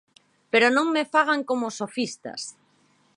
Pero non me fagan como os sofistas.